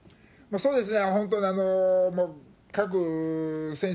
そうですね。